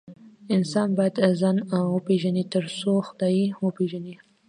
انسان بايد خپل ځان وپيژني تر څو خداي وپيژني